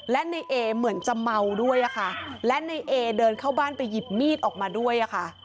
และในเอเหมือนจะเมาด้วยอะค่ะและในเอเดินเข้าบ้านไปหยิบมีดออกมาด้วยอะค่ะ